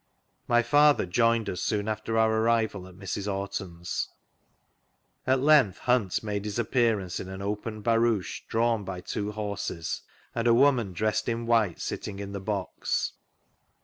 My Father joined us soon after our arrival at Mrs. Orton's. At length Hunt made his appearance in an open barouche drawn by two horses, and a woman dressed in white sitting on the box.